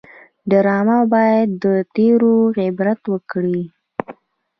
ډرامه باید د تېرو عبرت ورکړي